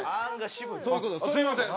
すいません。